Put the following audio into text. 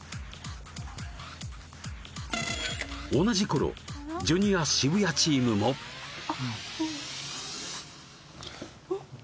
同じころジュニア渋谷チームもうん？